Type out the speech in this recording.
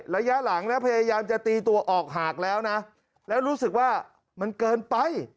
ระยะหลังนะพยายามจะตีตัวออกหากแล้วนะแล้วรู้สึกว่ามันเกินไป